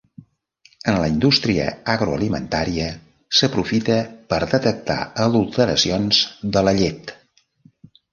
En la indústria agroalimentària, s'aprofita per detectar adulteracions de la llet.